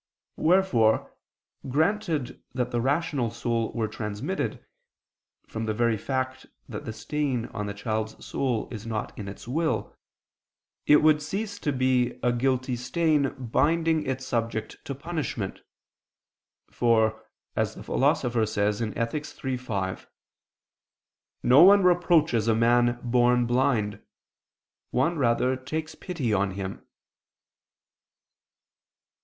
Wherefore granted that the rational soul were transmitted, from the very fact that the stain on the child's soul is not in its will, it would cease to be a guilty stain binding its subject to punishment; for, as the Philosopher says (Ethic. iii, 5), "no one reproaches a man born blind; one rather takes pity on him."